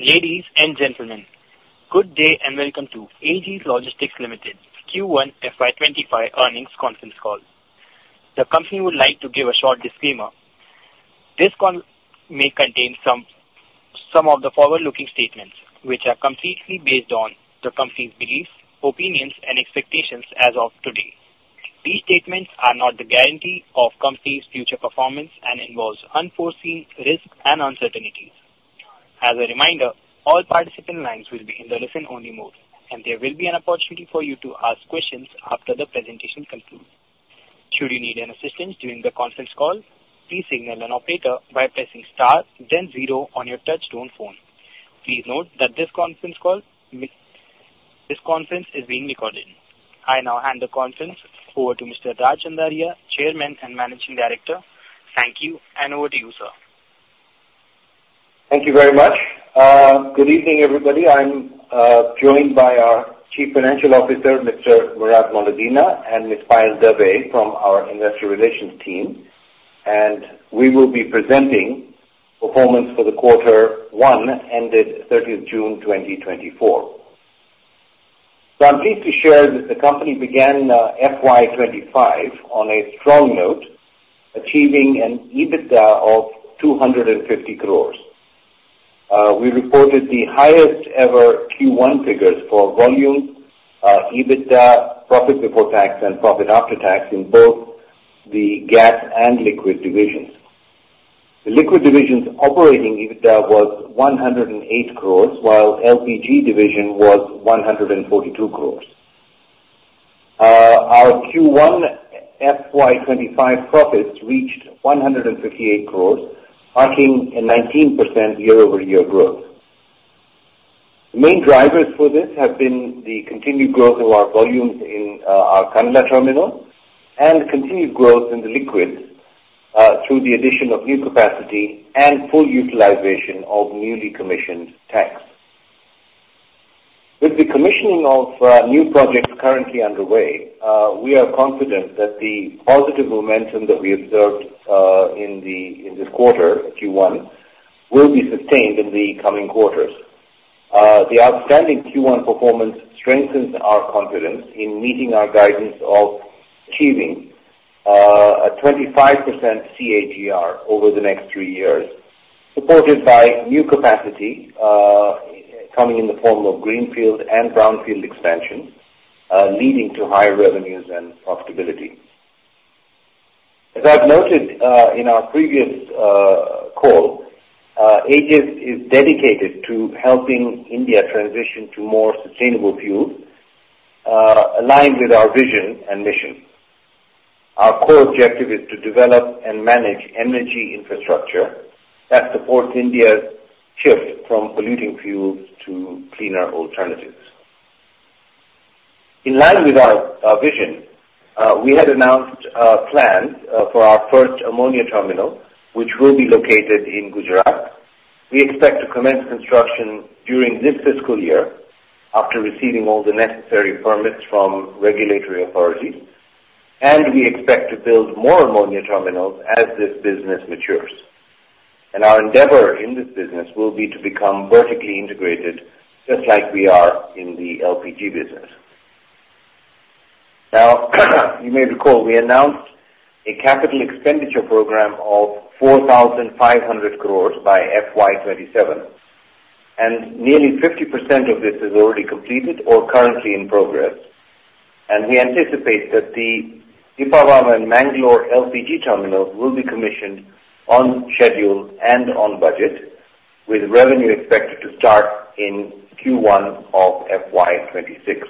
Ladies and gentlemen, good day and welcome to Aegis Logistics Limited Q1 FY25 earnings conference call. The company would like to give a short disclaimer. This call may contain some of the forward-looking statements, which are completely based on the company's beliefs, opinions, and expectations as of today. These statements are not the guarantee of the company's future performance and involve unforeseen risks and uncertainties. As a reminder, all participant lines will be in the listen-only mode, and there will be an opportunity for you to ask questions after the presentation concludes. Should you need any assistance during the conference call, please signal an operator by pressing star, then zero on your touch-tone phone. Please note that this conference call is being recorded. I now hand the conference over to Mr. Raj Chandaria, Chairman and Managing Director. Thank you, and over to you, sir. Thank you very much. Good evening, everybody. I'm joined by our Chief Financial Officer, Mr. Murad Moledina, and Ms. Payal Dave from our Investor Relations team. We will be presenting performance for Q1, ended 30 June 2024. I'm pleased to share that the company began FY 2025 on a strong note, achieving an EBITDA of 250 crores. We reported the highest-ever Q1 figures for volume, EBITDA, profit before tax, and profit after tax in both the gas and liquid divisions. The liquid division's operating EBITDA was 108 crores, while the LPG division was 142 crores. Our Q1 FY 2025 profits reached 158 crores, marking a 19% year-over-year growth. The main drivers for this have been the continued growth of our volumes in our Kandla terminal and continued growth in the liquids through the addition of new capacity and full utilization of newly commissioned tanks. With the commissioning of new projects currently underway, we are confident that the positive momentum that we observed in this quarter, Q1, will be sustained in the coming quarters. The outstanding Q1 performance strengthens our confidence in meeting our guidance of achieving a 25% CAGR over the next three years, supported by new capacity coming in the form of greenfield and brownfield expansion, leading to higher revenues and profitability. As I've noted in our previous call, Aegis is dedicated to helping India transition to more sustainable fuels, aligned with our vision and mission. Our core objective is to develop and manage energy infrastructure that supports India's shift from polluting fuels to cleaner alternatives. In line with our vision, we had announced plans for our first ammonia terminal, which will be located in Gujarat. We expect to commence construction during this fiscal year after receiving all the necessary permits from regulatory authorities, and we expect to build more ammonia terminals as this business matures. Our endeavor in this business will be to become vertically integrated, just like we are in the LPG business. Now, you may recall we announced a capital expenditure program of 4,500 crore by FY 2027, and nearly 50% of this is already completed or currently in progress. We anticipate that the Pipavav and Mangalore LPG terminals will be commissioned on schedule and on budget, with revenue expected to start in Q1 of FY 2026.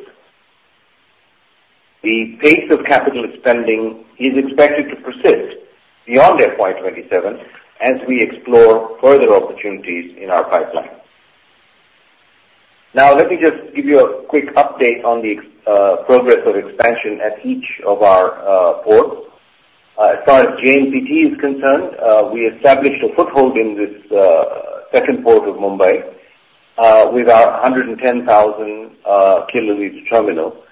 The pace of capital expenditure is expected to persist beyond FY 2027 as we explore further opportunities in our pipeline. Now, let me just give you a quick update on the progress of expansion at each of our ports. As far as JNPT is concerned, we established a foothold in this second port of Mumbai with our 110,000 kiloliter terminal,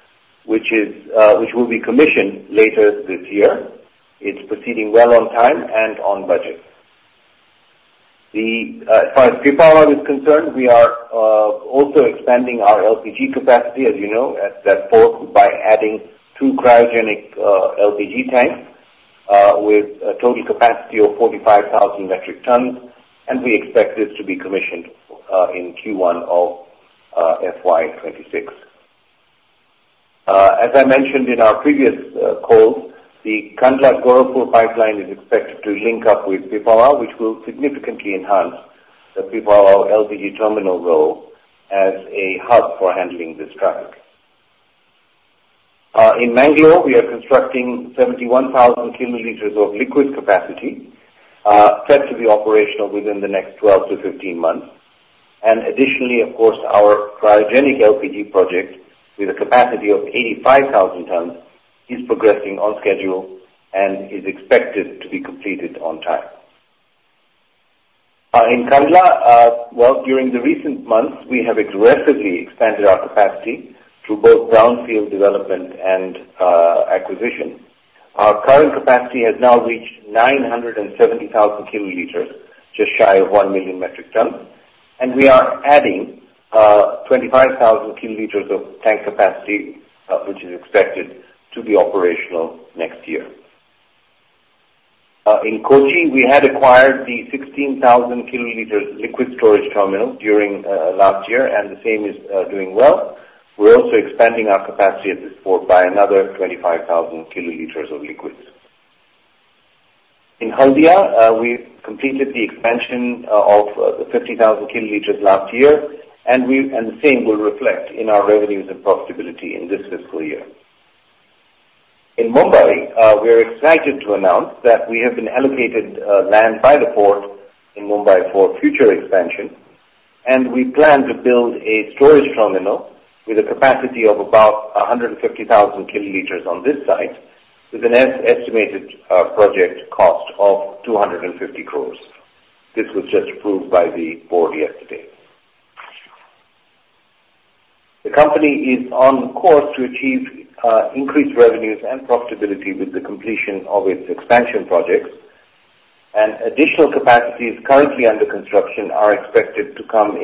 which will be commissioned later this year. It's proceeding well on time and on budget. As far as Pipavav is concerned, we are also expanding our LPG capacity, as you know, at that port by adding two cryogenic LPG tanks with a total capacity of 45,000 metric tons, and we expect this to be commissioned in Q1 of FY 2026. As I mentioned in our previous calls, the Kandla-Gorakhpur pipeline is expected to link up with Pipavav, which will significantly enhance the Pipavav LPG terminal role as a hub for handling this traffic. In Mangalore, we are constructing 71,000 kiloliters of liquid capacity, set to be operational within the next 12-15 months. And additionally, of course, our cryogenic LPG project with a capacity of 85,000 tons is progressing on schedule and is expected to be completed on time. In Kandla, well, during the recent months, we have aggressively expanded our capacity through both brownfield development and acquisition. Our current capacity has now reached 970,000 kiloliters, just shy of 1 million metric tons, and we are adding 25,000 kiloliters of tank capacity, which is expected to be operational next year. In Kochi, we had acquired the 16,000 kiloliters liquid storage terminal during last year, and the same is doing well. We're also expanding our capacity at this port by another 25,000 kiloliters of liquids. In Haldia, we completed the expansion of the 50,000 kiloliters last year, and the same will reflect in our revenues and profitability in this fiscal year. In Mumbai, we're excited to announce that we have been allocated land by the port in Mumbai for future expansion, and we plan to build a storage terminal with a capacity of about 150,000 kiloliters on this site, with an estimated project cost of 250 crores. This was just approved by the board yesterday. The company is on course to achieve increased revenues and profitability with the completion of its expansion projects, and additional capacities currently under construction are expected to come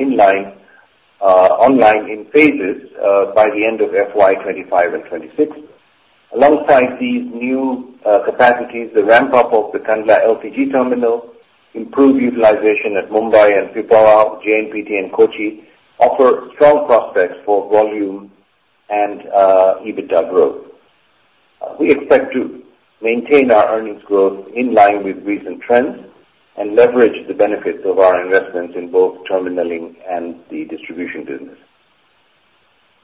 online in phases by the end of FY 2025 and FY 2026. Alongside these new capacities, the ramp-up of the Kandla LPG terminal, improved utilization at Mumbai and Pipavav, JNPT, and Kochi offer strong prospects for volume and EBITDA growth. We expect to maintain our earnings growth in line with recent trends and leverage the benefits of our investments in both terminaling and the distribution business.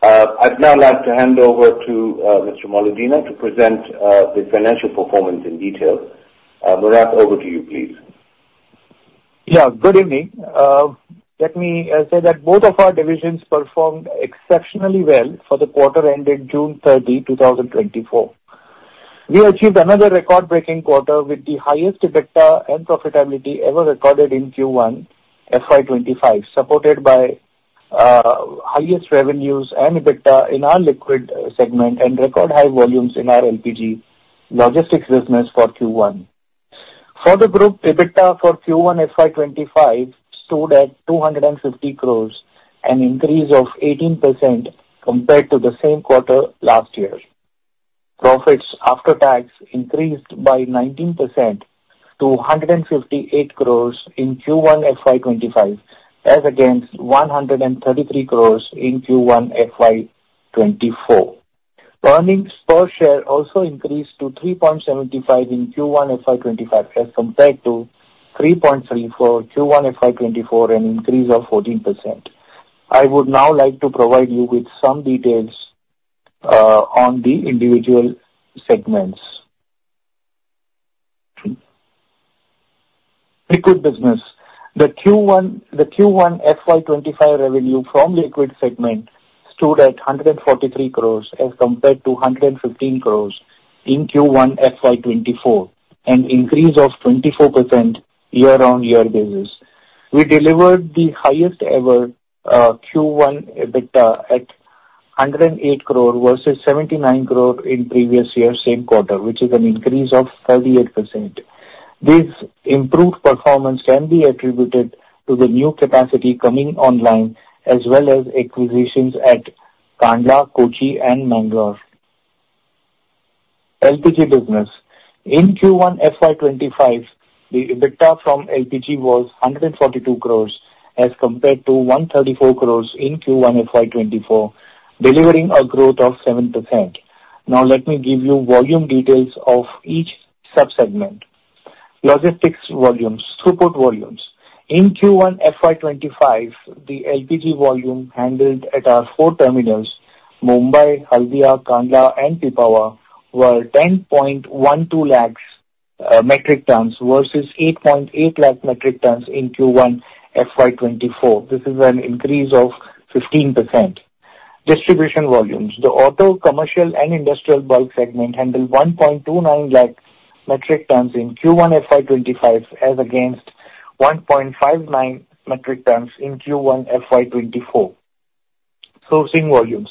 I'd now like to hand over to Mr. Moledina to present the financial performance in detail. Murad, over to you, please. Yeah, good evening. Let me say that both of our divisions performed exceptionally well for the quarter ended June 30, 2024. We achieved another record-breaking quarter with the highest EBITDA and profitability ever recorded in Q1 FY 2025, supported by highest revenues and EBITDA in our liquid segment and record high volumes in our LPG logistics business for Q1. For the group, EBITDA for Q1 FY 2025 stood at 250 crores, an increase of 18% compared to the same quarter last year. Profits after tax increased by 19% to 158 crores in Q1 FY 2025, as against 133 crores in Q1 FY 2024. Earnings per share also increased to 3.75 in Q1 FY 2025 as compared to 3.34 Q1 FY 2024, an increase of 14%. I would now like to provide you with some details on the individual segments. Liquid business. The Q1 FY 2025 revenue from liquid segment stood at 143 crores as compared to 115 crores in Q1 FY 2024, an increase of 24% year-over-year basis. We delivered the highest-ever Q1 EBITDA at 108 crores versus 79 crores in previous year's same quarter, which is an increase of 38%. This improved performance can be attributed to the new capacity coming online, as well as acquisitions at Kandla, Kochi, and Mangalore. LPG business. In Q1 FY 2025, the EBITDA from LPG was 142 crores as compared to 134 crores in Q1 FY 2024, delivering a growth of 7%. Now, let me give you volume details of each subsegment. Logistics volumes, support volumes. In Q1 FY 2025, the LPG volume handled at our four terminals—Mumbai, Haldia, Kandla, and Pipavav—were 10.12 lakh metric tons versus 8.8 lakh metric tons in Q1 FY 2024. This is an increase of 15%. Distribution volumes. The auto, commercial, and industrial bulk segment handled 129,000 metric tons in Q1 FY 2025, as against 159,000 metric tons in Q1 FY 2024. Sourcing volumes.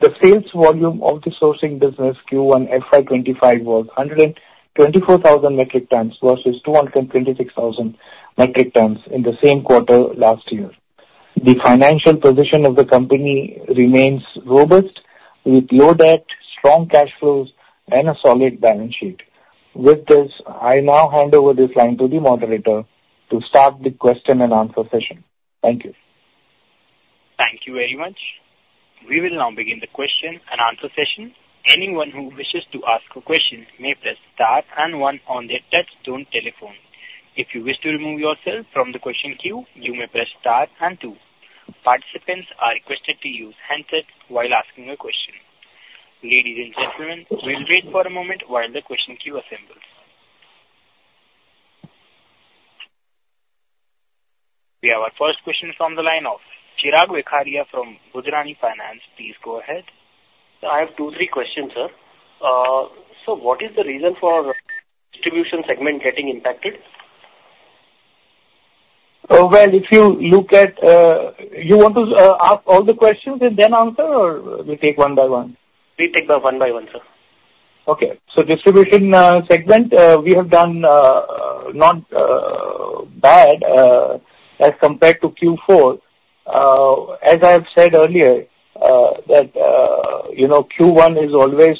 The sales volume of the sourcing business Q1 FY 2025 was 124,000 metric tons versus 226,000 metric tons in the same quarter last year. The financial position of the company remains robust, with low debt, strong cash flows, and a solid balance sheet. With this, I now hand over this line to the moderator to start the question and answer session. Thank you. Thank you very much. We will now begin the question and answer session. Anyone who wishes to ask a question may press star and one on their touch-tone telephone. If you wish to remove yourself from the question queue, you may press star and two. Participants are requested to use handset while asking a question. Ladies and gentlemen, we'll wait for a moment while the question queue assembles. We have our first question from the line of Chirag Vekariya from Budhrani Finance. Please go ahead. I have two, three questions, sir. So what is the reason for distribution segment getting impacted? Well, if you look at, you want to ask all the questions and then answer, or we take one by one? We take one by one, sir. Okay. So distribution segment, we have done not bad as compared to Q4. As I've said earlier, that Q1 is always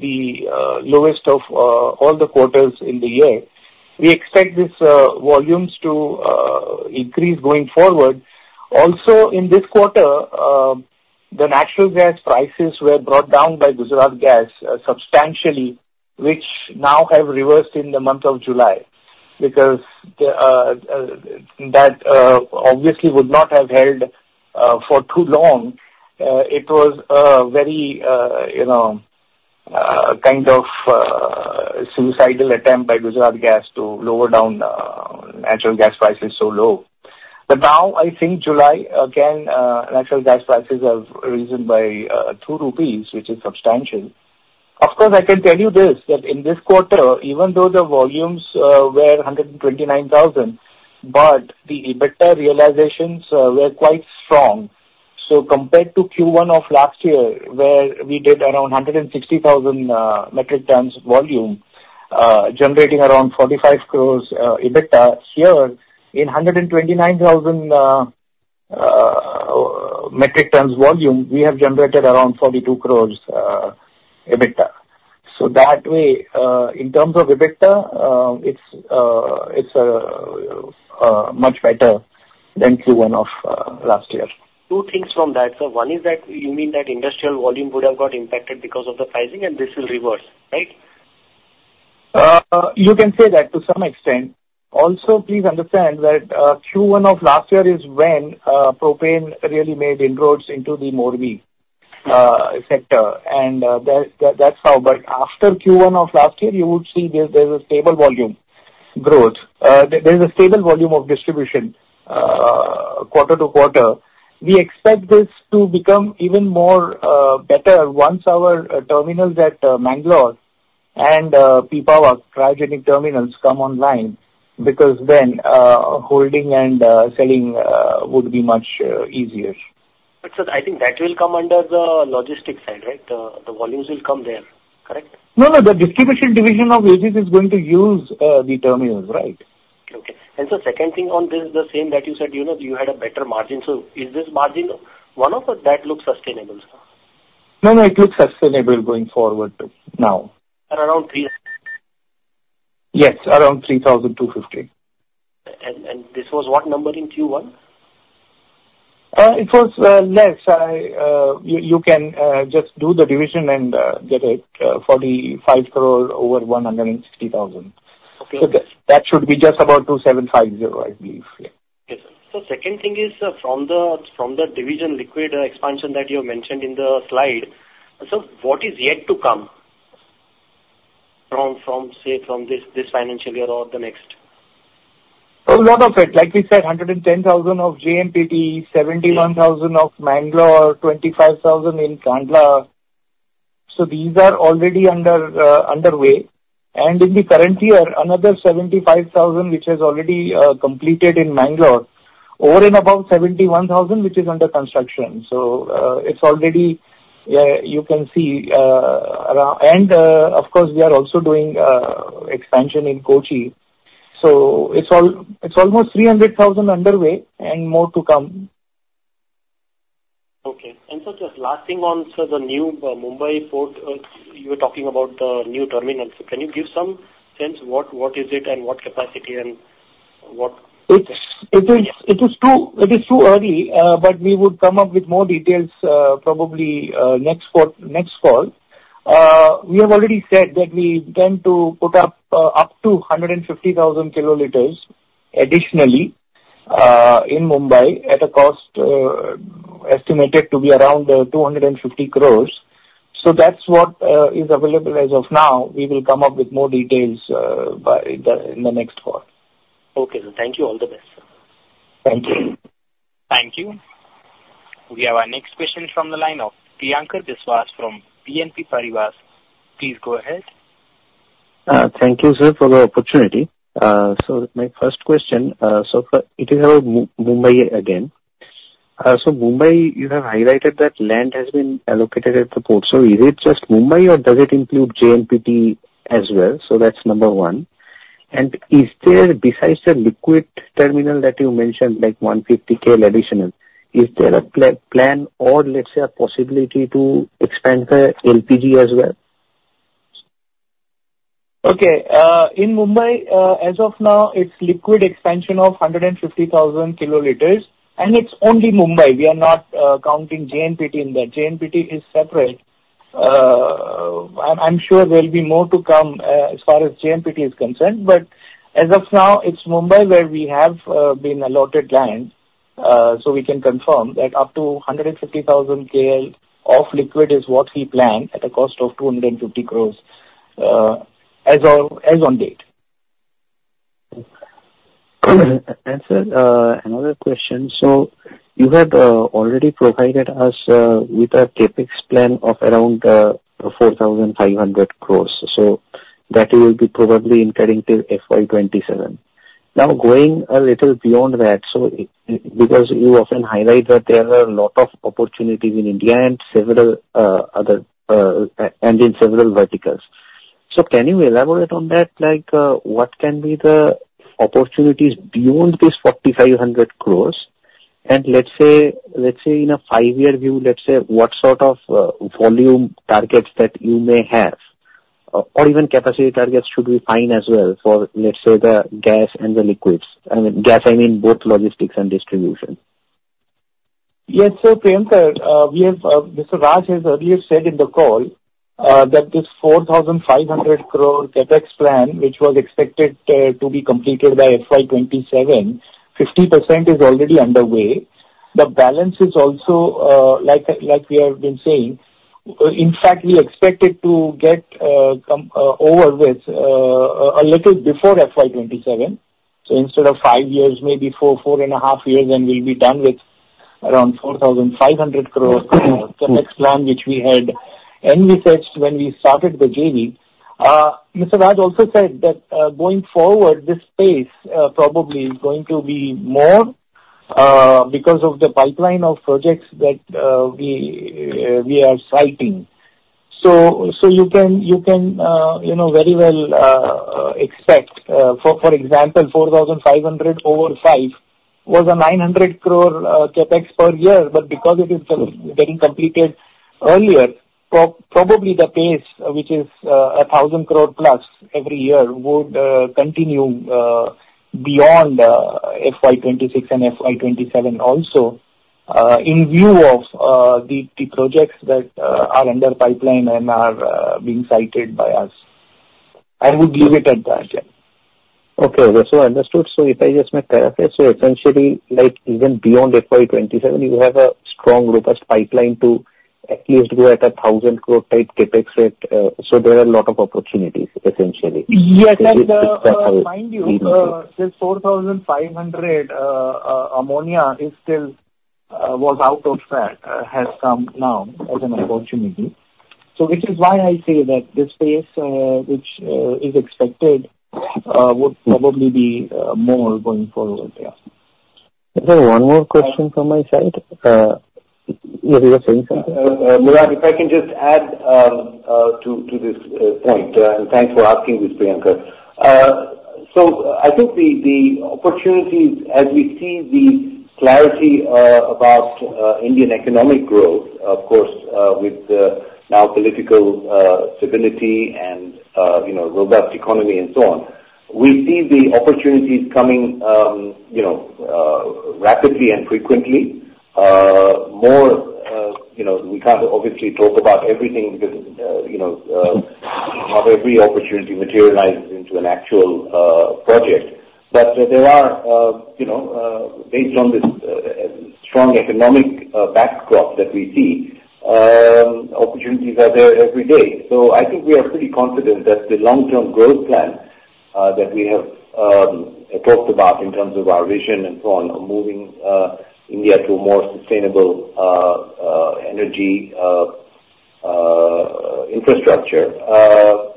the lowest of all the quarters in the year. We expect these volumes to increase going forward. Also, in this quarter, the natural gas prices were brought down by Gujarat Gas substantially, which now have reversed in the month of July because that obviously would not have held for too long. It was a very kind of suicidal attempt by Gujarat Gas to lower down natural gas prices so low. But now, I think July, again, natural gas prices have risen by 2 rupees, which is substantial. Of course, I can tell you this: that in this quarter, even though the volumes were 129,000, the EBITDA realizations were quite strong. So compared to Q1 of last year, where we did around 160,000 metric tons volume, generating around 45 crores EBITDA, here in 129,000 metric tons volume, we have generated around 42 crores EBITDA. So that way, in terms of EBITDA, it's much better than Q1 of last year. Two things from that, sir. One is that you mean that industrial volume would have got impacted because of the pricing, and this will reverse, right? You can say that to some extent. Also, please understand that Q1 of last year is when propane really made inroads into the Morbi sector, and that's how. But after Q1 of last year, you would see there's a stable volume growth. There's a stable volume of distribution quarter-to-quarter. We expect this to become even better once our terminals at Mangalore and Pipavav cryogenic terminals come online because then holding and selling would be much easier. I think that will come under the logistics side, right? The volumes will come there, correct? No, no. The distribution division of Aegis is going to use the terminals, right? Okay. And so second thing on this, the same that you said, you had a better margin. So is this margin one of that looks sustainable, sir? No, no. It looks sustainable going forward now. Around 3? Yes, around 3,250. This was what number in Q1? It was less. You can just do the division and get it 45 crore over 160,000. So that should be just about 2,750, I believe. Yes, sir. So second thing is from the division liquid expansion that you mentioned in the slide, so what is yet to come from, say, from this financial year or the next? A lot of it. Like we said, 110,000 of JNPT, 71,000 of Mangalore, 25,000 in Kandla. So these are already underway. And in the current year, another 75,000, which has already completed in Mangalore, or in about 71,000, which is under construction. So it's already, you can see, around. And of course, we are also doing expansion in Kochi. So it's almost 300,000 underway and more to come. Okay. Just last thing on the new Mumbai port, you were talking about the new terminal. So can you give some sense what is it and what capacity and what? It is too early, but we would come up with more details probably next call. We have already said that we intend to put up to 150,000 kiloliters additionally in Mumbai at a cost estimated to be around 250 crores. So that's what is available as of now. We will come up with more details in the next call. Okay. Thank you. All the best, sir. Thank you. Thank you. We have our next question from the line of Priyankar Biswas from BNP Paribas. Please go ahead. Thank you, sir, for the opportunity. So my first question, so far, it is about Mumbai again. So Mumbai, you have highlighted that land has been allocated at the port. So is it just Mumbai, or does it include JNPT as well? So that's number one. And besides the liquid terminal that you mentioned, like 150,000 additional, is there a plan or, let's say, a possibility to expand the LPG as well? Okay. In Mumbai, as of now, it's liquid expansion of 150,000 kiloliters, and it's only Mumbai. We are not counting JNPT in that. JNPT is separate. I'm sure there will be more to come as far as JNPT is concerned, but as of now, it's Mumbai where we have been allotted land. So we can confirm that up to 150,000 KL of liquid is what we plan at a cost of 250 crore as on date. Answer another question. So you have already provided us with a CapEx plan of around 4,500 crores. So that will be probably in cadenced FY 2027. Now, going a little beyond that, because you often highlight that there are a lot of opportunities in India and in several verticals. So can you elaborate on that? What can be the opportunities beyond this 4,500 crores? And let's say in a five-year view, let's say what sort of volume targets that you may have, or even capacity targets should be fine as well for, let's say, the gas and the liquids? I mean, gas, I mean both logistics and distribution. Yes, so Priyankar, Mr. Raj has earlier said in the call that this 4,500 crore CapEx plan, which was expected to be completed by FY 2027, 50% is already underway. The balance is also, like we have been saying, in fact, we expected to get over with a little before FY 2027. So instead of five years, maybe four, four and a half years, and we'll be done with around 4,500 crore CapEx plan, which we had envisaged when we started the journey. Mr. Raj also said that going forward, this space probably is going to be more because of the pipeline of projects that we are citing. So you can very well expect, for example, 4,500 over five was a 900 crore CapEx per year. But because it is getting completed earlier, probably the pace, which is 1,000 crore plus every year, would continue beyond FY 2026 and FY 2027 also in view of the projects that are under pipeline and are being cited by us. I would leave it at that. Okay. That's what I understood. So if I just may clarify, so essentially, even beyond FY 2027, you have a strong robust pipeline to at least go at an 1,000 crore type CapEx rate. So there are a lot of opportunities, essentially. Yes, and mind you, this 4,500 ammonia is still out of that, has come now as an opportunity. So which is why I say that this space, which is expected, would probably be more going forward. Is there one more question from my side? Yes, you were saying something. Murad, if I can just add to this point, and thanks for asking this, Priyankar. So I think the opportunities, as we see the clarity about Indian economic growth, of course, with now political stability and robust economy and so on, we see the opportunities coming rapidly and frequently. We can't obviously talk about everything because not every opportunity materializes into an actual project. But there are, based on this strong economic backdrop that we see, opportunities are there every day. So I think we are pretty confident that the long-term growth plan that we have talked about in terms of our vision and so on, moving India to a more sustainable energy infrastructure,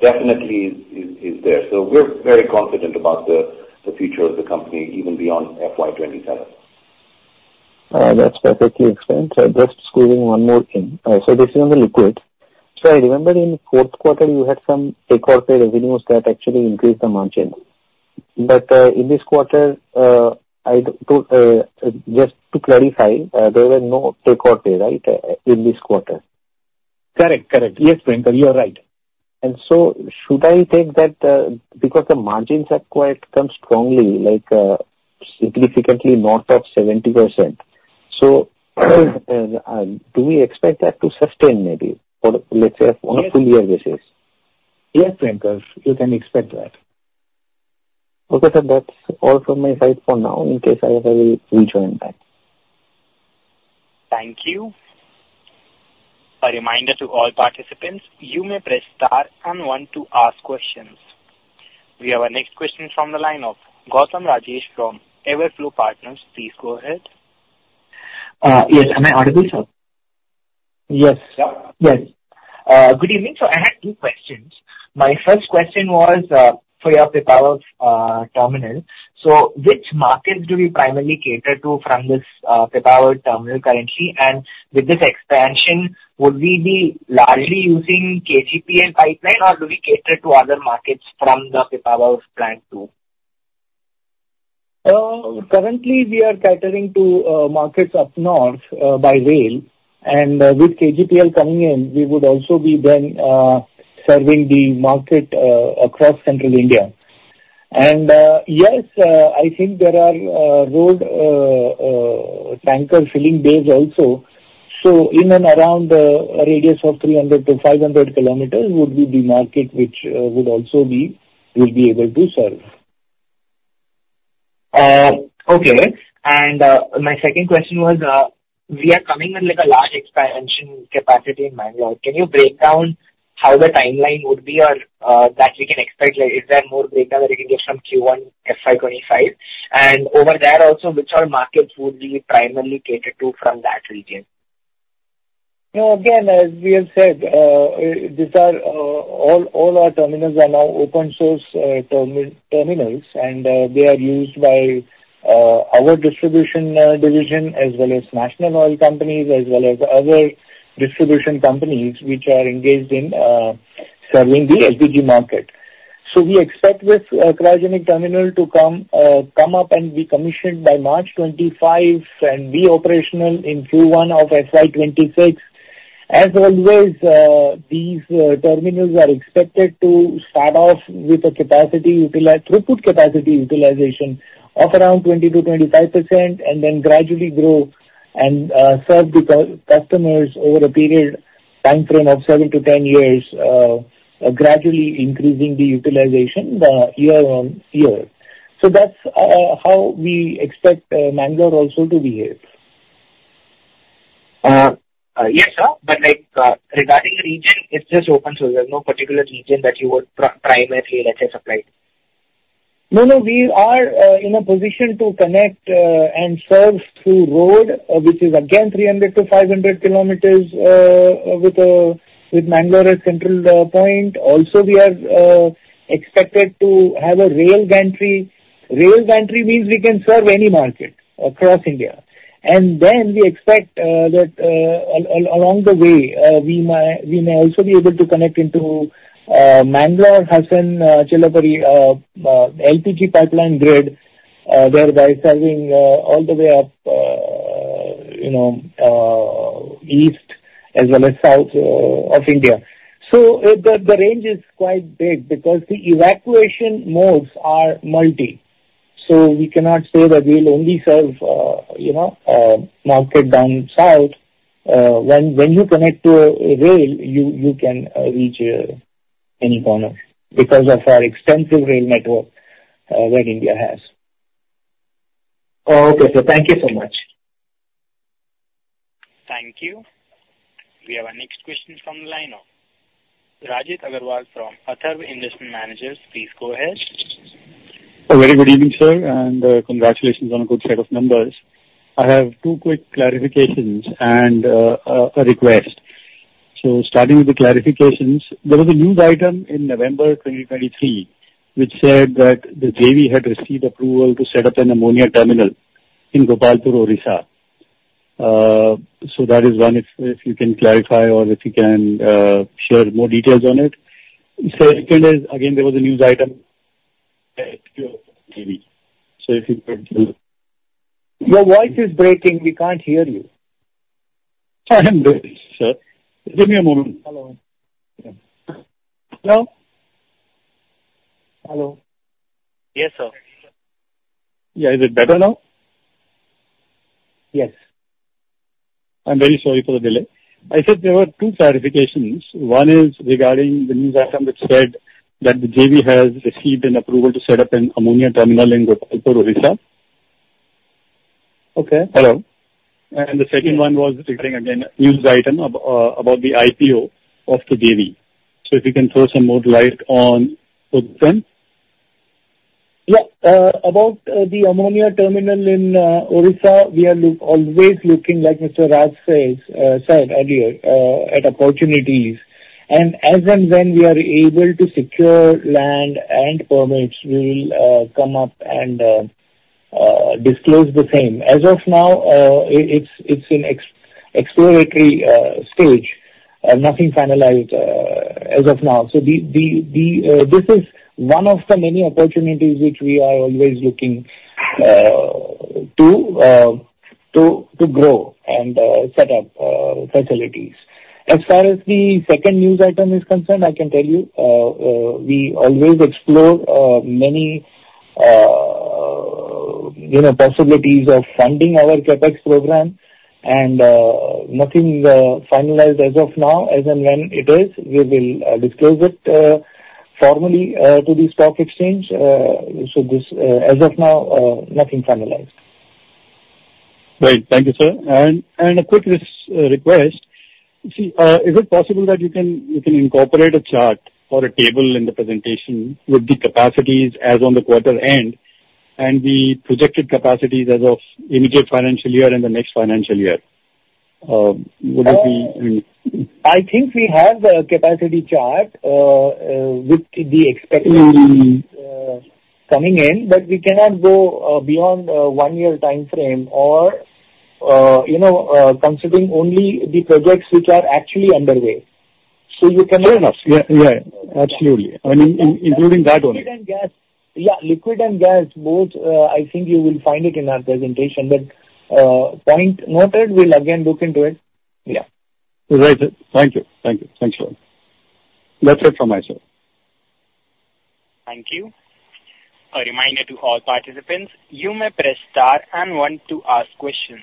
definitely is there. So we're very confident about the future of the company, even beyond FY 2027. That's perfectly explained. Just squeezing one more thing. So this is on the liquid. So I remember in the fourth quarter, you had some take-or-pay revenues that actually increased the margin. But in this quarter, just to clarify, there were no take-or-pay, right, in this quarter? Correct. Correct. Yes, Priyankar, you are right. Should I take that because the margins have quite come strongly, like significantly north of 70%? Do we expect that to sustain maybe, let's say, on a full-year basis? Yes, Priyankar. You can expect that. Okay. That's all from my side for now, in case I will rejoin back. Thank you. A reminder to all participants, you may press star and one to ask questions. We have our next question from the line of Gautam Rajesh from Everflow Partners. Please go ahead. Yes. Am I audible, sir? Yes. Yep. Yes. Good evening. So I had two questions. My first question was for your Pipavav terminal. So which markets do we primarily cater to from this Pipavav terminal currently? And with this expansion, would we be largely using KGPL pipeline, or do we cater to other markets from the Pipavav plant too? Currently, we are catering to markets up north by rail. And with KGPL coming in, we would also be then serving the market across central India. And yes, I think there are road tanker filling bays also. So in and around the radius of 300-500 kilometers would be the market which we would also be able to serve. Okay. And my second question was, we are coming with a large expansion capacity in Mangalore. Can you break down how the timeline would be that we can expect? Is there more data that we can get from Q1 FY25? And over there also, which are markets would we primarily cater to from that region? Again, as we have said, all our terminals are now open-source terminals, and they are used by our distribution division as well as national oil companies as well as other distribution companies which are engaged in serving the LPG market. So we expect this cryogenic terminal to come up and be commissioned by March 25 and be operational in Q1 of FY 2026. As always, these terminals are expected to start off with a throughput capacity utilization of around 20%-25% and then gradually grow and serve the customers over a period timeframe of 7-10 years, gradually increasing the utilization year-on-year. So that's how we expect Mangalore also to behave. Yes, sir. But regarding the region, it's just open-source. There's no particular region that you would primarily, let's say, supply? No, no. We are in a position to connect and serve through road, which is again 300-500 km with Mangalore central point. Also, we are expected to have a rail gantry. Rail gantry means we can serve any market across India. And then we expect that along the way, we may also be able to connect into Mangalore, Hassan, Cherlapally LPG pipeline grid, thereby serving all the way up east as well as south of India. So the range is quite big because the evacuation modes are multi. So we cannot say that we'll only serve market down south. When you connect to rail, you can reach any corner because of our extensive rail network that India has. Okay. So thank you so much. Thank you. We have our next question from the line of Rajit Agarwal from Atharva Investment Managers. Please go ahead. A very good evening, sir, and congratulations on a good set of numbers. I have two quick clarifications and a request. So starting with the clarifications, there was a news item in November 2023 which said that the JV had received approval to set up an ammonia terminal in Gopalpur, Odisha. So that is one, if you can clarify or if you can share more details on it. Second is, again, there was a news item at JV. So if you could. Your voice is breaking. We can't hear you. I am good, sir. Give me a moment. Hello. Hello? Hello. Yes, sir. Yeah. Is it better now? Yes. I'm very sorry for the delay. I said there were two clarifications. One is regarding the news item that said that the JV has received an approval to set up an ammonia terminal in Gopalpur, Odisha. Okay. Hello. The second one was regarding again a news item about the IPO of the JV. If you can throw some more light on both of them. Yeah. About the ammonia terminal in Odisha, we are always looking, like Mr. Raj said earlier, at opportunities. As and when we are able to secure land and permits, we will come up and disclose the same. As of now, it's in exploratory stage. Nothing finalized as of now. This is one of the many opportunities which we are always looking to grow and set up facilities. As far as the second news item is concerned, I can tell you we always explore many possibilities of funding our CapEx program, and nothing finalized as of now. As and when it is, we will disclose it formally to the stock exchange. As of now, nothing finalized. Great. Thank you, sir. A quick request. Is it possible that you can incorporate a chart or a table in the presentation with the capacities as on the quarter end and the projected capacities as of immediate financial year and the next financial year? I think we have the capacity chart with the expectation coming in, but we cannot go beyond one-year timeframe or considering only the projects which are actually underway. So you cannot. Fair enough. Yeah. Yeah. Absolutely. I mean, including that one. Liquid and gas. Yeah. Liquid and gas, both, I think you will find it in our presentation. But point noted, we'll again look into it. Yeah. Right. Thank you. Thank you. Thanks, sir. That's it from myself. Thank you. A reminder to all participants, you may press star and one to ask questions.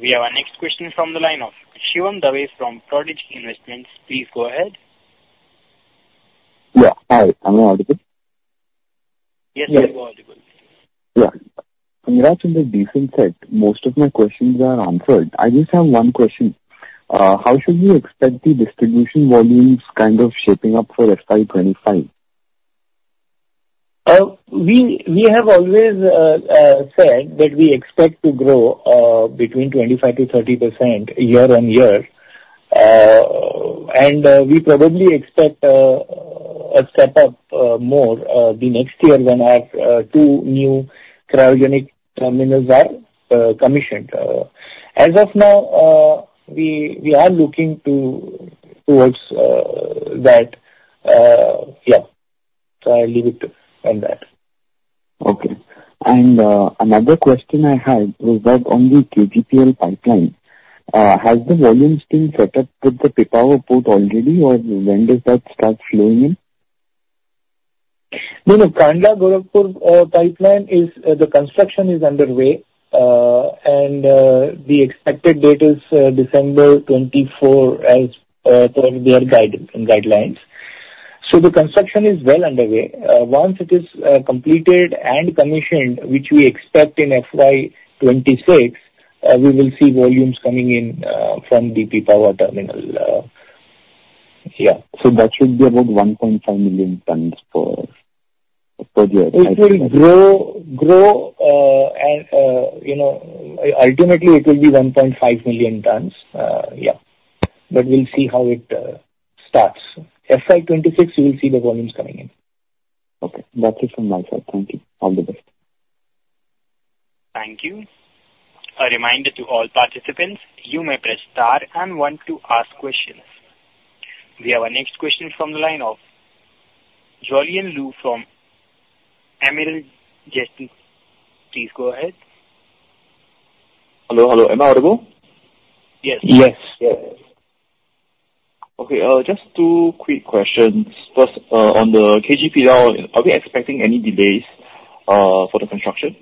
We have our next question from the line of Shivam Dave from Prodigy Investments. Please go ahead. Yeah. Hi. Am I audible? Yes, sir. Am I audible? Yeah. Murad's in the decent set. Most of my questions are answered. I just have one question. How should we expect the distribution volumes kind of shaping up for FY 2025? We have always said that we expect to grow between 25%-30% year-on-year, and we probably expect a step up more the next year when our two new cryogenic terminals are commissioned. As of now, we are looking towards that. Yeah. So I'll leave it on that. Okay. Another question I had was that on the KGPL pipeline, has the volume still set up with the Pipavav port already, or when does that start flowing in? No, no. Kandla-Gorakhpur pipeline is the construction is underway, and the expected date is December 24 as per their guidelines. So the construction is well underway. Once it is completed and commissioned, which we expect in FY 2026, we will see volumes coming in from the Pipavav terminal. Yeah. That should be about 1.5 million tons per year. It will grow, and ultimately, it will be 1.5 million tons. Yeah. But we'll see how it starts. FY 2026, you will see the volumes coming in. Okay. That's it from my side. Thank you. All the best. Thank you. A reminder to all participants, you may press star and one to ask questions. We have our next question from the line of Jolyon Loo from Amiral Gestion. Please go ahead. Hello. Hello. Am I audible? Yes. Yes. Yes. Okay. Just two quick questions. First, on the KGPL, are we expecting any delays for the construction?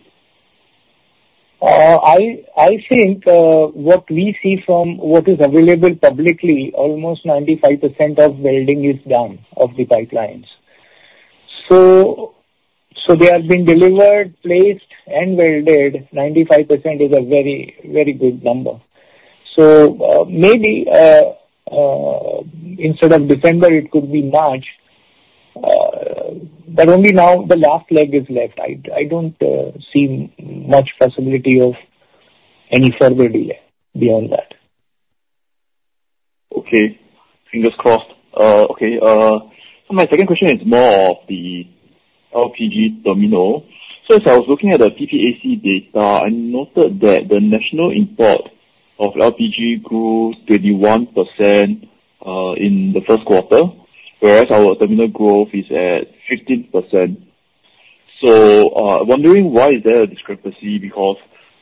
I think what we see from what is available publicly, almost 95% of welding is done of the pipelines. So they have been delivered, placed, and welded. 95% is a very, very good number. So maybe instead of December, it could be March. But only now the last leg is left. I don't see much possibility of any further delay beyond that. Okay. Fingers crossed. Okay. My second question is more of the LPG terminal. So as I was looking at the PPAC data, I noted that the national import of LPG grew 21% in the first quarter, whereas our terminal growth is at 15%. So I'm wondering why is there a discrepancy because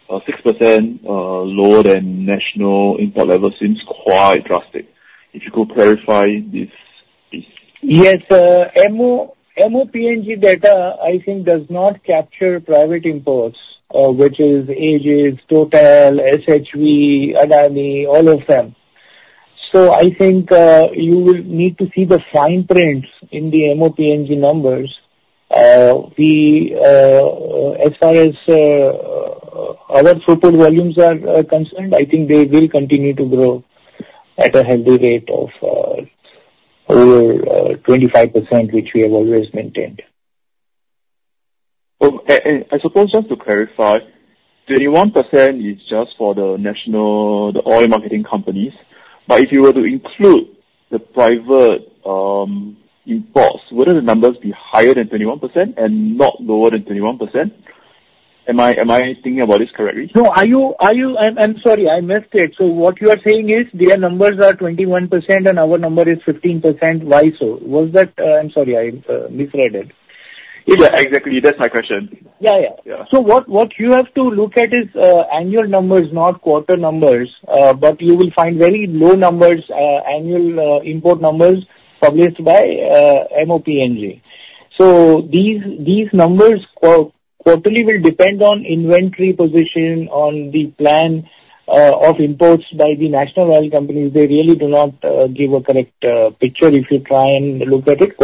6% lower than national import level seems quite drastic. If you could clarify this piece. Yes. The MoP&G data, I think, does not capture private imports, which is Aegis, Total, SHV, Adani, all of them. So I think you will need to see the fine prints in the MoP&G numbers. As far as our throughput volumes are concerned, I think they will continue to grow at a healthy rate of over 25%, which we have always maintained. I suppose just to clarify, 21% is just for the national oil marketing companies. But if you were to include the private imports, wouldn't the numbers be higher than 21% and not lower than 21%? Am I thinking about this correctly? No. I'm sorry. I missed it. So what you are saying is their numbers are 21% and our number is 15%. Why so? I'm sorry. I misread it. Yeah. Exactly. That's my question. Yeah. Yeah. So what you have to look at is annual numbers, not quarter numbers. But you will find very low numbers, annual import numbers published by MoP&G. So these numbers quarterly will depend on inventory position on the plan of imports by the national oil companies. They really do not give a correct picture if you try and look at it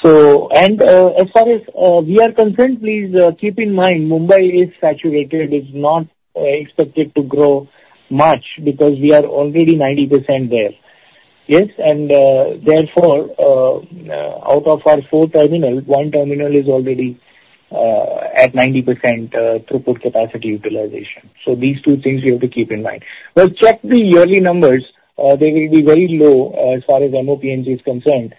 quarter-to-quarter. And as far as we are concerned, please keep in mind, Mumbai is saturated. It's not expected to grow much because we are already 90% there. Yes. And therefore, out of our four terminals, one terminal is already at 90% throughput capacity utilization. So these two things you have to keep in mind. But check the yearly numbers. They will be very low as far as MoP&G is concerned,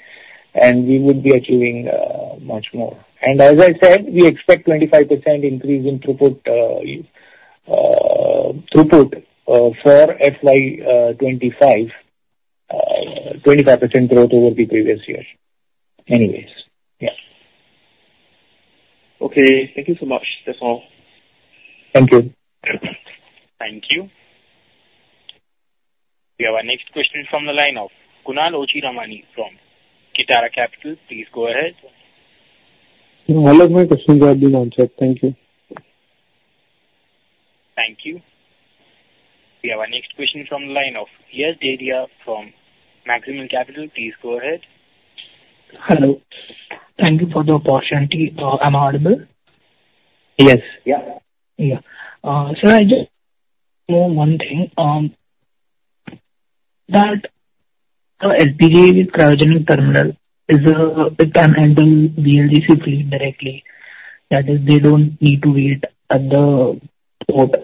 and we would be achieving much more. As I said, we expect 25% increase in throughput for FY 2025, 25% growth over the previous year. Anyways, yeah. Okay. Thank you so much. That's all. Thank you. Thank you. We have our next question from the line of Kunal Ochiramani from Kitara Capital. Please go ahead. All of my questions have been answered. Thank you. Thank you. We have our next question from the line of Yash Dedhia from Maximal Capital. Please go ahead. Hello. Thank you for the opportunity. Am I audible? Yes. Yeah. Yeah. So I just want one thing. That LPG cryogenic terminal, it can handle VLGC fluid directly. That is, they don't need to wait at the port.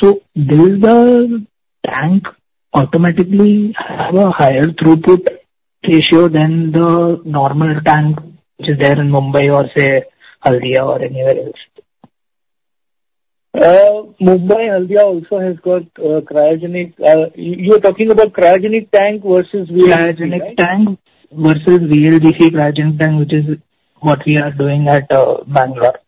So does the tank automatically have a higher throughput ratio than the normal tank which is there in Mumbai or, say, Haldia or anywhere else? Mumbai, Haldia also has got cryogenic. You're talking about cryogenic tank versus VLGC? Cryogenic tank versus VLGC cryogenic tank, which is what we are doing at Mangalore?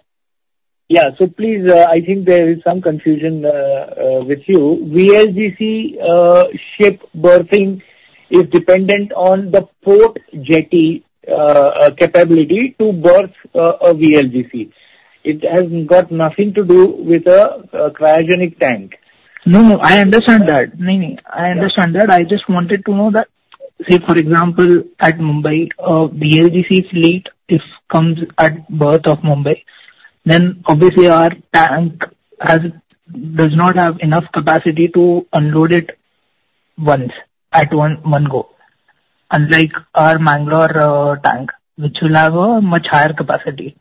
Yeah. So please, I think there is some confusion with you. VLGC ship berthing is dependent on the port jetty capability to berth a VLGC. It has got nothing to do with a cryogenic tank. No, no. I understand that. No, no. I understand that. I just wanted to know that, say, for example, at Mumbai, a VLGC fleet, if it comes at berth of Mumbai, then obviously our tank does not have enough capacity to unload it once at one go, unlike our Mangalore tank, which will have a much higher capacity?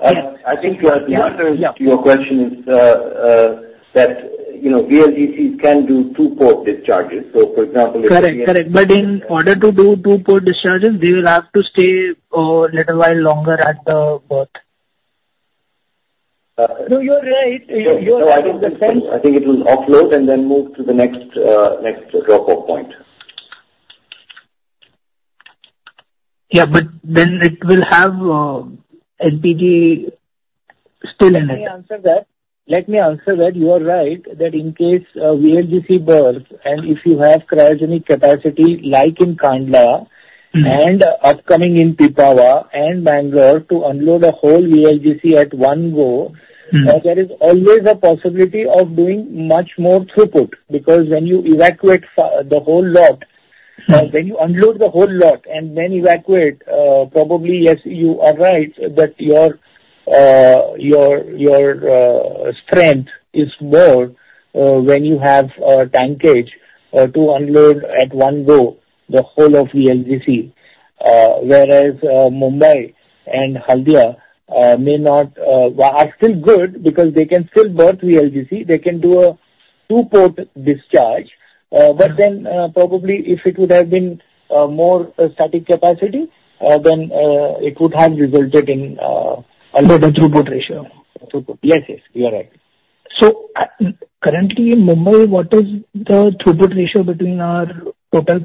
I think the answer to your question is that VLGCs can do two-port discharges. So for example, if. Correct. Correct. But in order to do two-port discharges, they will have to stay a little while longer at the berth? No, you're right. You're right. I think it will offload and then move to the next drop-off point. Yeah. But then it will have LPG still in it? Let me answer that. Let me answer that. You are right that in case VLGC berth, and if you have cryogenic capacity like in Kandla and upcoming in Pipavav and Mangalore to unload a whole VLGC at one go, there is always a possibility of doing much more throughput because when you evacuate the whole lot, when you unload the whole lot and then evacuate, probably, yes, you are right that your strength is more when you have a tankage to unload at one go the whole of VLGC, whereas Mumbai and Haldia may not are still good because they can still berth VLGC. They can do a two-port discharge. But then probably if it would have been more static capacity, then it would have resulted in a lower throughput ratio. Yes. Yes. You're right. Currently in Mumbai, what is the throughput ratio between our total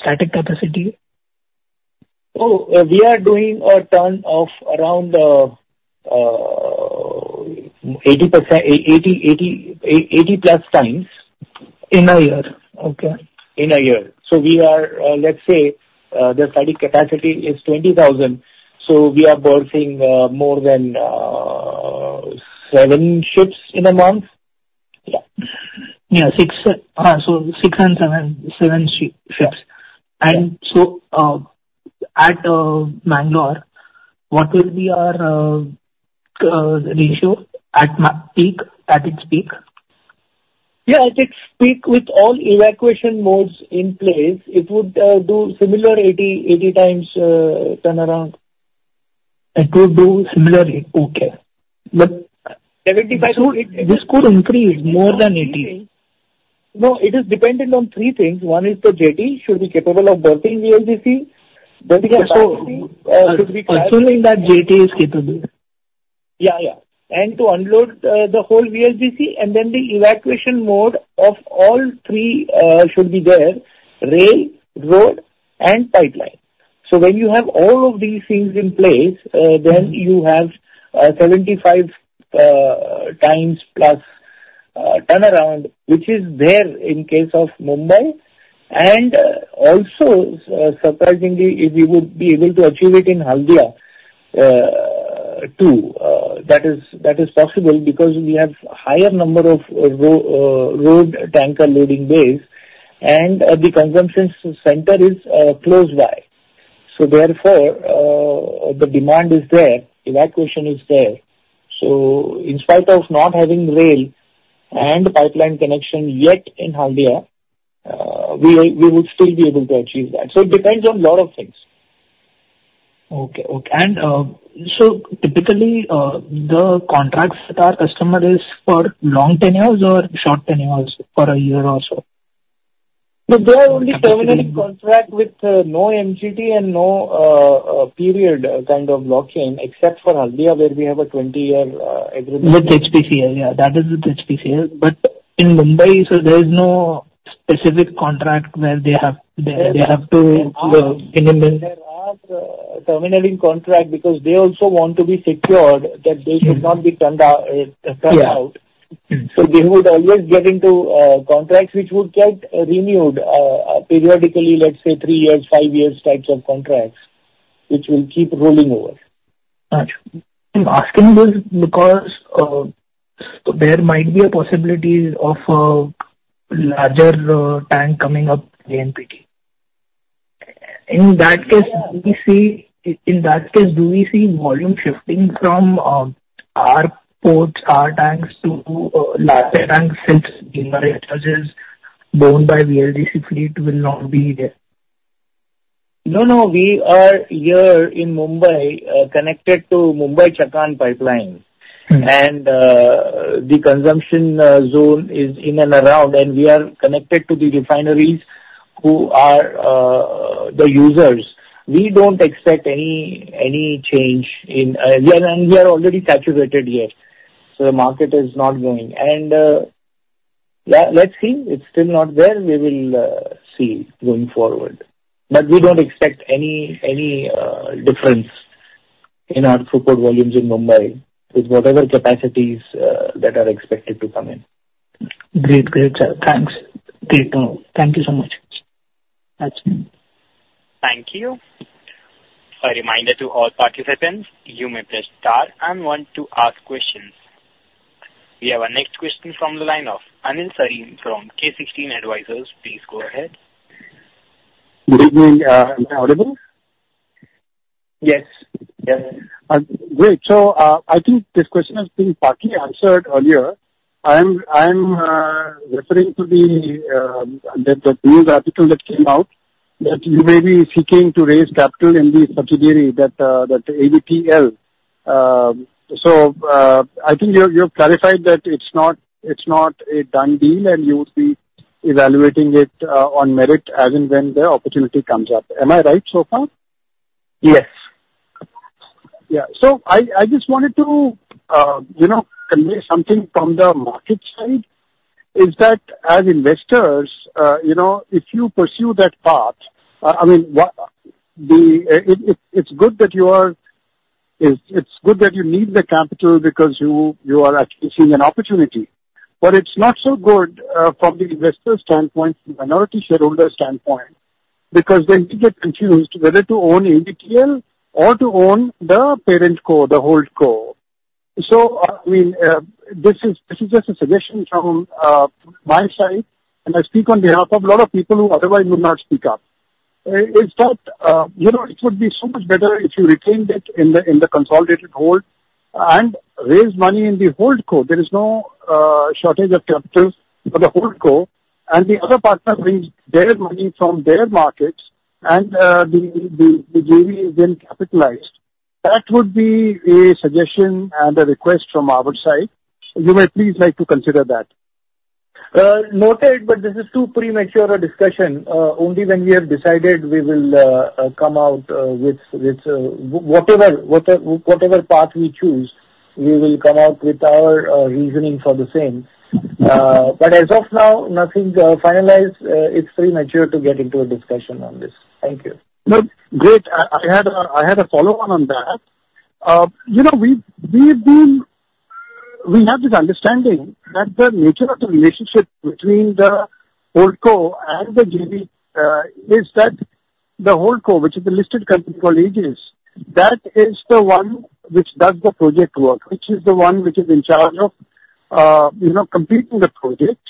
static capacity? Oh, we are doing a turn of around 80+ times. In a year. Okay. In a year. So let's say the static capacity is 20,000, so we are berthing more than seven ships in a month. Yeah. Yeah. So six and seven ships. And so at Mangalore, what will be our ratio at its peak? Yeah. At its peak, with all evacuation modes in place, it would do similar 8x turnaround. It would do similarly. Okay. But this could increase more than 80. No. It is dependent on three things. One is the jetty should be capable of berthing VLGC. Yeah. So assuming that jetty is capable. Yeah. Yeah. And to unload the whole VLGC, and then the evacuation mode of all three should be there: rail, road, and pipeline. So when you have all of these things in place, then you have 75x+ turnaround, which is there in case of Mumbai. And also, surprisingly, if you would be able to achieve it in Haldia too, that is possible because we have a higher number of road tanker loading bays, and the consumption center is close by. So therefore, the demand is there. Evacuation is there. So in spite of not having rail and pipeline connection yet in Haldia, we would still be able to achieve that. So it depends on a lot of things. Okay. Okay. Typically, the contracts that are customized for long tenures or short tenures for a year or so? No. They are only terminal contract with no MGT and no period kind of lock-in, except for Haldia, where we have a 20-year agreement. With HPCL. Yeah. That is with HPCL. But in Mumbai, so there is no specific contract where they have to. There are terminals in contract because they also want to be secure that they should not be turned out. So they would always get into contracts which would get renewed periodically, let's say three years, five years types of contracts, which will keep rolling over. I'm asking this because there might be a possibility of a larger tank coming up in MPT. In that case, do we see volume shifting from our ports, our tanks, to larger tanks since generators owned by VLGC fleet will not be there? No. No. We are here in Mumbai connected to Mumbai-Chakan pipeline. The consumption zone is in and around. We are connected to the refineries who are the users. We don't expect any change in and we are already saturated here. So the market is not going. Yeah, let's see. It's still not there. We will see going forward. But we don't expect any difference in our throughput volumes in Mumbai with whatever capacities that are expected to come in. Great. Great. Thanks. Thank you so much. Thank you. A reminder to all participants, you may press star and want to ask questions. We have our next question from the line of Anil Sarin from K16 Advisors. Please go ahead. Good evening. Am I audible? Yes. Yes. Great. So I think this question has been partly answered earlier. I'm referring to the news article that came out that you may be seeking to raise capital in the subsidiary, that AVTL. So I think you have clarified that it's not a done deal and you would be evaluating it on merit as and when the opportunity comes up. Am I right so far? Yes. Yeah. So I just wanted to convey something from the market side. That as investors, if you pursue that path, I mean, it's good that you need the capital because you are actually seeing an opportunity. But it's not so good from the investor standpoint, minority shareholder standpoint, because then you get confused whether to own AVTL or to own the parent holdco, the holdco. So I mean, this is just a suggestion from my side, and I speak on behalf of a lot of people who otherwise would not speak up. That it would be so much better if you retained it in the consolidated holdco and raised money in the holdco. There is no shortage of capital for the holdco. And the other partner brings their money from their markets, and the JV is then capitalized. That would be a suggestion and a request from our side. You may please like to consider that. Noted. But this is too premature a discussion. Only when we have decided we will come out with whatever path we choose, we will come out with our reasoning for the same. But as of now, nothing finalized. It's premature to get into a discussion on this. Thank you. Great. I had a follow-on on that. We have this understanding that the nature of the relationship between the holdco and the JV is that the holdco, which is the listed company called Aegis, that is the one which does the project work, which is the one which is in charge of completing the project.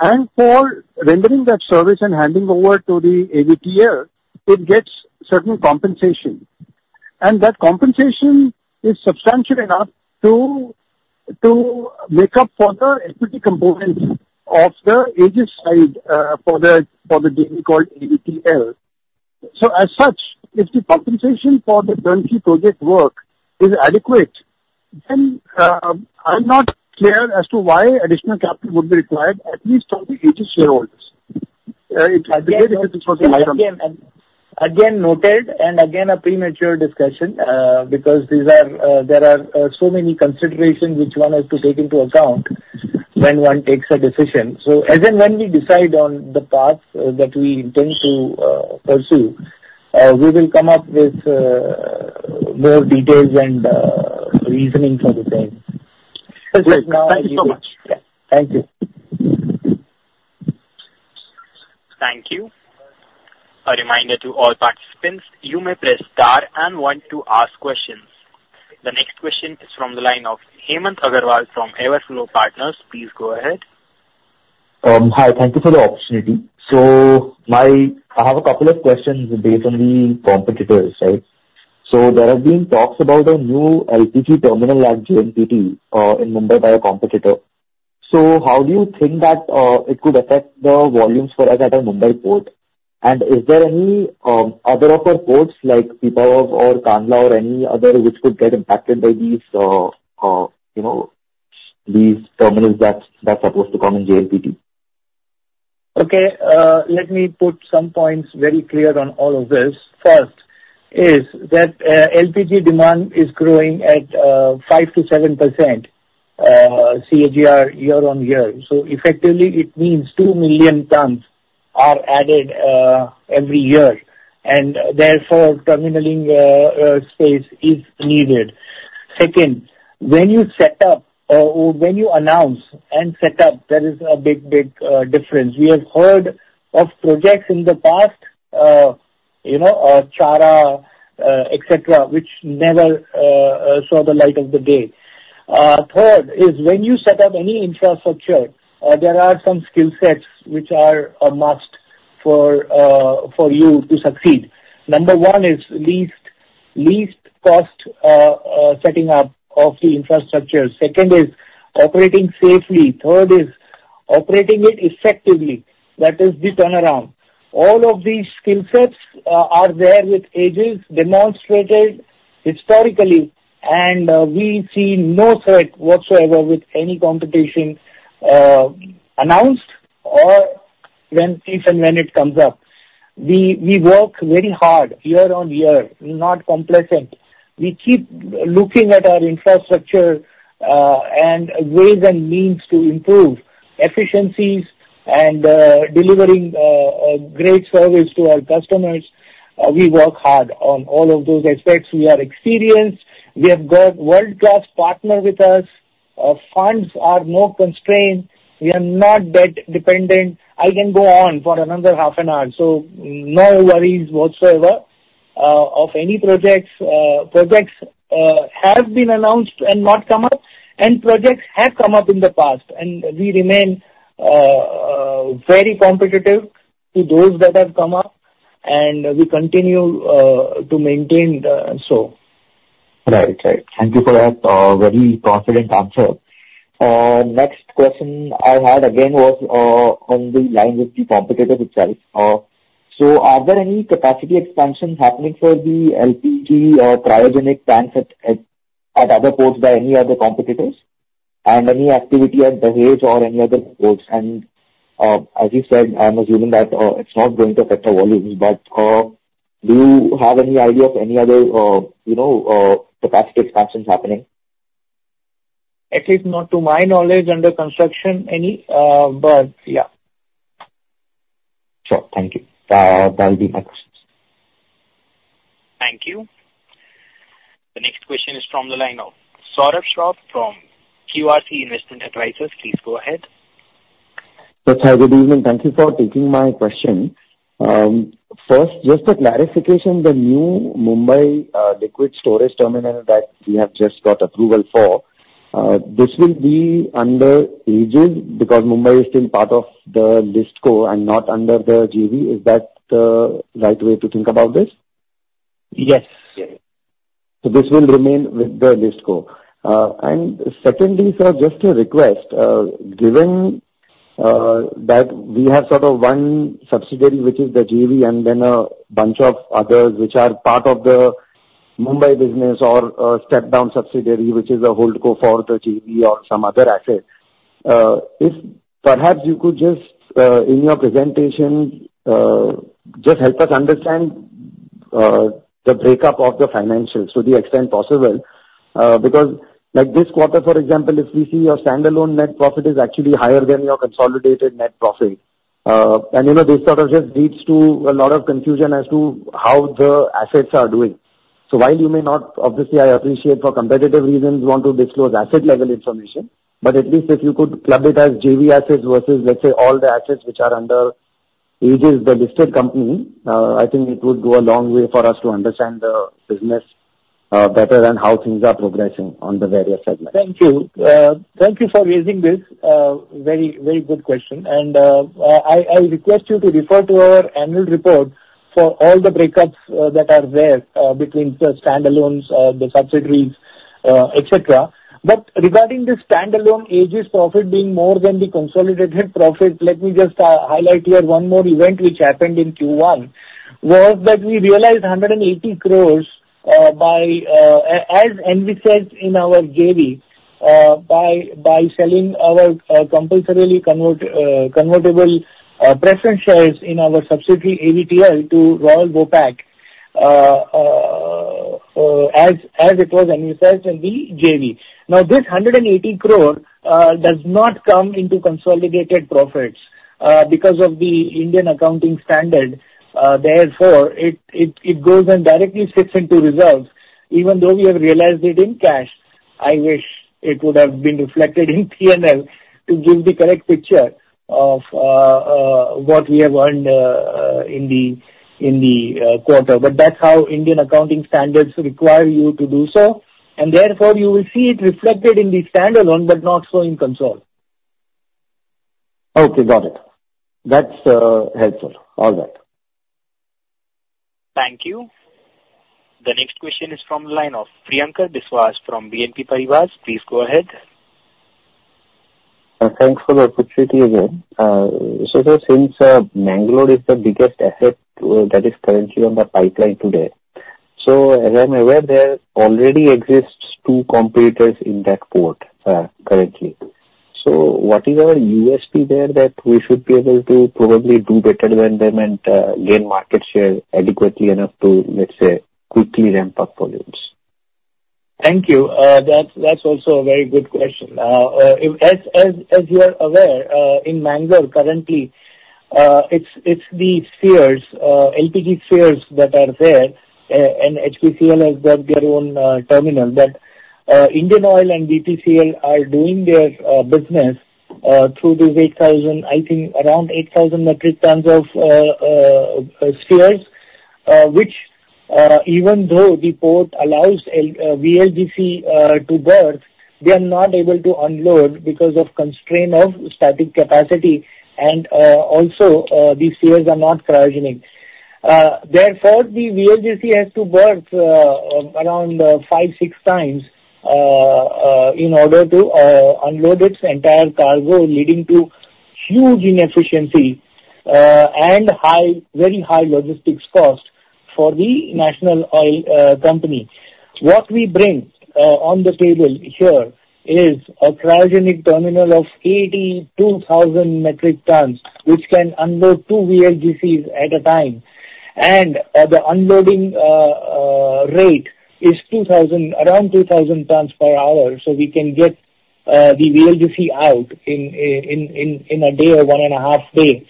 And for rendering that service and handing over to the AVTL, it gets certain compensation. And that compensation is substantial enough to make up for the equity components of the Aegis side for the JV called AVTL. So as such, if the compensation for the turnkey project work is adequate, then I'm not clear as to why additional capital would be required, at least for the Aegis shareholders. It's a great question for the line of. Again, noted. Again, a premature discussion because there are so many considerations which one has to take into account when one takes a decision. As and when we decide on the path that we intend to pursue, we will come up with more details and reasoning for the same. Great. Thank you so much. Yeah. Thank you. Thank you. A reminder to all participants, you may press star one if you want to ask questions. The next question is from the line of Hemant Agrawal from Everflow Partners. Please go ahead. Hi. Thank you for the opportunity. I have a couple of questions based on the competitors, right? There have been talks about a new LPG terminal at JNPT in Mumbai by a competitor. How do you think that it could affect the volumes for us at our Mumbai port? And is there any other of our ports, like Pipavav or Kandla or any other, which could get impacted by these terminals that are supposed to come in JNPT? Okay. Let me put some points very clear on all of this. First is that LPT demand is growing at 5%-7% CAGR year on year. So effectively, it means 2 million tons are added every year. And therefore, terminaling space is needed. Second, when you set up or when you announce and set up, there is a big, big difference. We have heard of projects in the past, Chhara, etc., which never saw the light of the day. Third is when you set up any infrastructure, there are some skill sets which are a must for you to succeed. Number one is least cost setting up of the infrastructure. Second is operating safely. Third is operating it effectively. That is the turnaround. All of these skill sets are there with Aegis demonstrated historically, and we see no threat whatsoever with any competition announced or if and when it comes up. We work very hard year on year, not complacent. We keep looking at our infrastructure and ways and means to improve efficiencies and delivering great service to our customers. We work hard on all of those aspects. We are experienced. We have got world-class partners with us. Funds are no constraint. We are not debt-dependent. I can go on for another half an hour. So no worries whatsoever of any projects. Projects have been announced and not come up, and projects have come up in the past. And we remain very competitive to those that have come up, and we continue to maintain so. Right. Right. Thank you for that very confident answer. Next question I had again was on the line with the competitors itself. So are there any capacity expansions happening for the LPG or cryogenic tanks at other ports by any other competitors? And any activity at the Haldia or any other ports? And as you said, I'm assuming that it's not going to affect the volumes, but do you have any idea of any other capacity expansions happening? At least not to my knowledge under construction, any. But yeah. Sure. Thank you. That will be my questions. Thank you. The next question is from the line of Saurabh Shroff from QRC Investment Advisors. Please go ahead. Hi, good evening. Thank you for taking my question. First, just a clarification, the new Mumbai liquid storage terminal that we have just got approval for, this will be under Aegis because Mumbai is still part of its core and not under the JV. Is that the right way to think about this? Yes. This will remain with the listed co. Secondly, sir, just a request, given that we have sort of one subsidiary, which is the JV, and then a bunch of others which are part of the Mumbai business or step-down subsidiary, which is a holdco for the JV or some other asset. Perhaps you could just, in your presentation, just help us understand the breakup of the financials to the extent possible. Because this quarter, for example, if we see your standalone net profit is actually higher than your consolidated net profit. This sort of just leads to a lot of confusion as to how the assets are doing. So while you may not, obviously, I appreciate for competitive reasons, want to disclose asset-level information, but at least if you could club it as JV assets versus, let's say, all the assets which are under Aegis, the listed company, I think it would go a long way for us to understand the business better and how things are progressing on the various segments. Thank you. Thank you for raising this. Very, very good question. I request you to refer to our annual report for all the breakups that are there between the standalones, the subsidiaries, etc. But regarding the standalone Aegis profit being more than the consolidated profit, let me just highlight here one more event which happened in Q1 was that we realized 180 crore as envisaged in our JV by selling our compulsorily convertible preference shares in our subsidiary AVTL to Royal Vopak as it was envisaged in the JV. Now, this 180 crore does not come into consolidated profits because of the Indian accounting standard. Therefore, it goes and directly sits into reserves, even though we have realized it in cash. I wish it would have been reflected in P&L to give the correct picture of what we have earned in the quarter. But that's how Indian accounting standards require you to do so. Therefore, you will see it reflected in the standalone, but not so in consolidated. Okay. Got it. That's helpful. All right. Thank you. The next question is from the line of Priyankar Biswas from BNP Paribas. Please go ahead. Thanks for the opportunity again. Since Mangalore is the biggest asset that is currently on the pipeline today, so as I'm aware, there already exist two competitors in that port currently. What is our USP there that we should be able to probably do better than them and gain market share adequately enough to, let's say, quickly ramp up volumes? Thank you. That's also a very good question. As you are aware, in Mangalore currently, it's the spheres, LPG spheres that are there, and HPCL has got their own terminal. But Indian Oil and BPCL are doing their business through the 8,000, I think around 8,000 metric tons of spheres, which even though the port allows VLGC to berth, they are not able to unload because of constraint of static capacity. And also, these spheres are not cryogenic. Therefore, the VLGC has to berth around five, six times in order to unload its entire cargo, leading to huge inefficiency and very high logistics cost for the National Oil Company. What we bring on the table here is a cryogenic terminal of 82,000 metric tons, which can unload two VLGCs at a time. And the unloading rate is around 2,000 tons per hour. So we can get the VLGC out in a day or 1.5 days.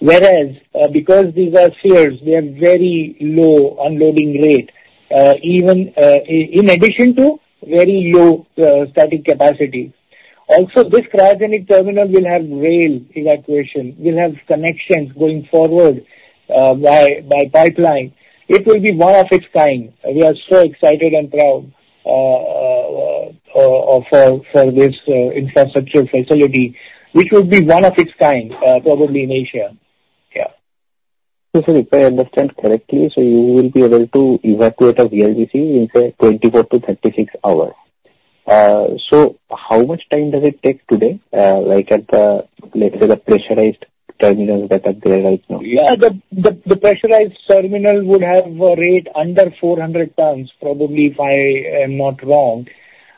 Whereas, because these are spheres, they have very low unloading rate, even in addition to very low static capacity. Also, this cryogenic terminal will have rail evacuation, will have connections going forward by pipeline. It will be one of its kind. We are so excited and proud for this infrastructure facility, which will be one of its kind, probably in Asia. Yeah. So if I understand correctly, so you will be able to evacuate a VLGC in, say, 24-36 hours. So how much time does it take today, let's say, the pressurized terminals that are there right now? Yeah. The pressurized terminal would have a rate under 400 tons, probably if I am not wrong.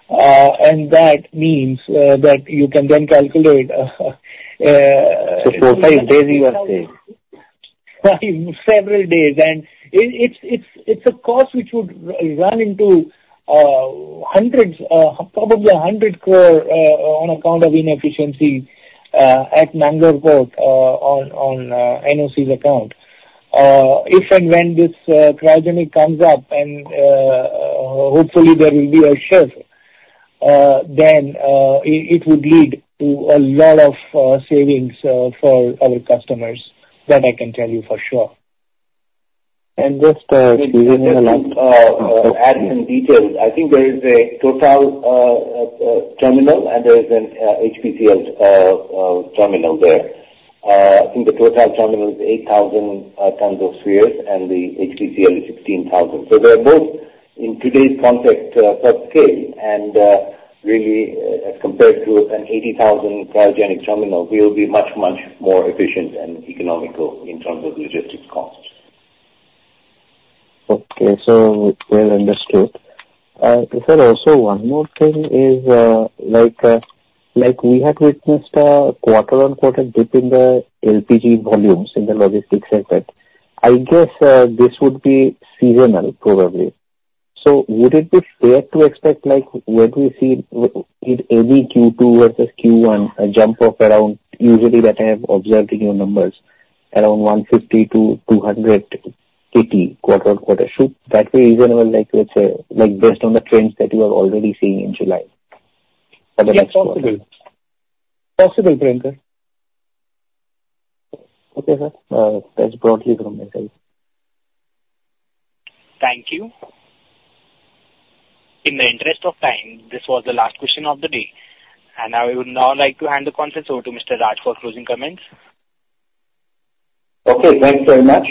And that means that you can then calculate. Four, five days, you are saying? Several days. It's a cost which would run into probably 100 crore on account of inefficiency at Mangalore port on NOC's account. If and when this cryogenic comes up, and hopefully there will be a shift, then it would lead to a lot of savings for our customers, that I can tell you for sure. Just add some details. I think there is a Total terminal, and there is an HPCL terminal there. I think the Total terminal is 8,000 tons of spheres, and the HPCL is 16,000. So they are both, in today's context, subscale. And really, as compared to an 80,000 cryogenic terminal, we will be much, much more efficient and economical in terms of logistics costs. Okay. So well understood. If there's also one more thing is we had witnessed a quarter-on-quarter dip in the LPG volumes in the logistics sector. I guess this would be seasonal, probably. So would it be fair to expect when we see any Q2 versus Q1 jump of around, usually that I have observed in your numbers, around 150-280 quarter-on-quarter? Should that be reasonable, let's say, based on the trends that you are already seeing in July? Yes, possible. Possible, Priyankar. Okay, sir. That's broadly from my side. Thank you. In the interest of time, this was the last question of the day. I would now like to hand the conference over to Mr. Raj for closing comments. Okay. Thanks very much.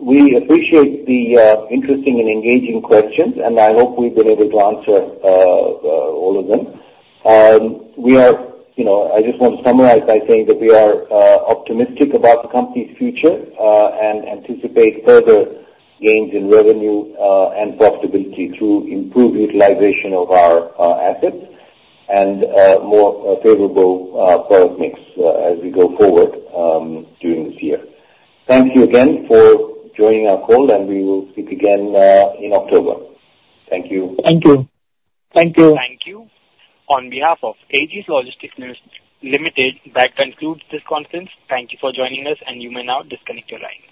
We appreciate the interesting and engaging questions, and I hope we've been able to answer all of them. I just want to summarize by saying that we are optimistic about the company's future and anticipate further gains in revenue and profitability through improved utilization of our assets and more favorable product mix as we go forward during this year. Thank you again for joining our call, and we will speak again in October. Thank you. Thank you. Thank you. Thank you. On behalf of Aegis Logistics Limited, that concludes this conference. Thank you for joining us, and you may now disconnect your line.